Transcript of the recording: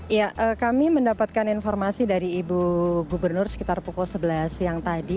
ya kami mendapatkan informasi dari ibu gubernur sekitar pukul sebelas siang tadi